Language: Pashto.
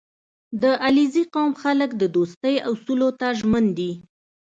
• د علیزي قوم خلک د دوستۍ اصولو ته ژمن دي.